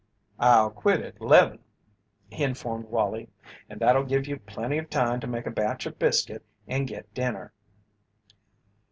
"I'll quit at 'leven," he informed Wallie, "and that'll give you plenty of time to make a batch of biscuit and get dinner."